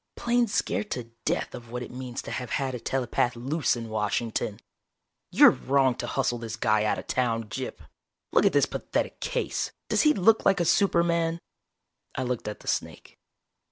Plain scared to death of what it means to have had a telepath loose in Washington. You're wrong to hustle this guy out of town, Gyp. Look at this pathetic case does he look like a superman?" I looked at the snake.